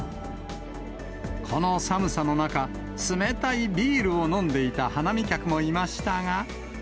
この寒さの中、冷たいビールを飲んでいた花見客もいましたが。